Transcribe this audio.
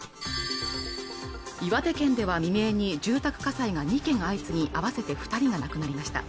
岩手県では未明に住宅火災が２件相次ぎ合わせて二人が亡くなりました